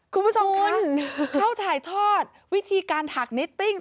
คุณผู้ชมเขาถ่ายทอดวิธีการถักนิตติ้ง